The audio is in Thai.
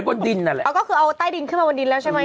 บนดินนั่นแหละเอาก็คือเอาใต้ดินขึ้นมาบนดินแล้วใช่ไหม